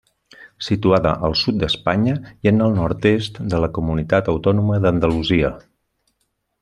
Situada al sud d'Espanya i en el nord-est de la Comunitat Autònoma d'Andalusia.